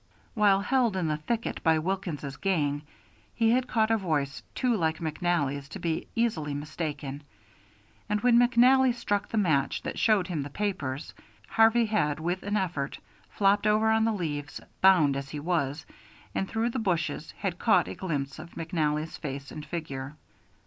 While held in the thicket by Wilkins's gang he had caught a voice too like McNally's to be easily mistaken, and when McNally struck the match that showed him the papers, Harvey had with an effort flopped over on the leaves, bound as he was, and through the bushes had caught a glimpse of McNally's face and figure.